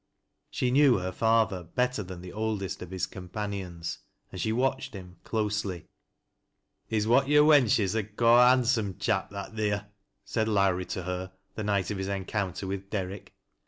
She knew her father better than the oldest of hii companions, and she watched him. close'Jy. " He's what yo' wenches ud ca' a handsum chap, that theer," said Lowrie to her, the night of his encounter with Derrick.